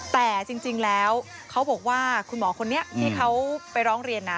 แต่จริงแล้วเขาบอกว่าคุณหมอคนนี้ที่เขาไปร้องเรียนนะ